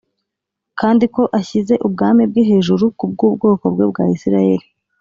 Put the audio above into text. kandi ko ashyize ubwami bwe hejuru ku bw’ubwoko bwe bwa Isirayeli.